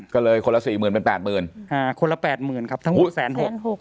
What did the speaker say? ก็เลยคนละสี่หมื่นเป็นแปดหมื่นอ่าคนละแปดหมื่นครับทั้งหมดแสนหกแสนหก